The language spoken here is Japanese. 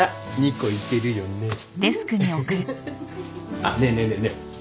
あっねえねえねえねえ。